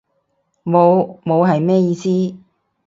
冇？冇係咩意思？